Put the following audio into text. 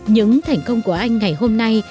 những thành công của anh ngày hôm nay